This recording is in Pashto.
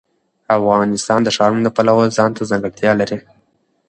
افغانستان د ښارونه د پلوه ځانته ځانګړتیا لري.